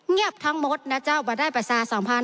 เรียบทั้งหมดนะเจ้าว่าได้ปราศาสมภาร